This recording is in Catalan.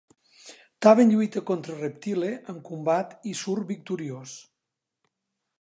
Taven lluita contra Reptile en combat i surt victoriós.